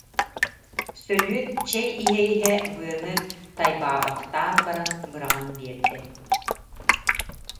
Сөдүөт чэй иһэ-иһэ быаны тайбаабахтаан баран быраҕан биэрэр